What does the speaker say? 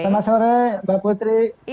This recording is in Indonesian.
selamat sore mbak putri